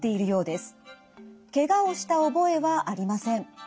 ケガをした覚えはありません。